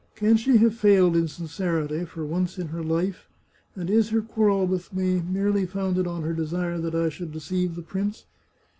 Can she have failed in sincerity for once in her life, and is her quarrel with me merely founded on her desire that I should deceive the prince?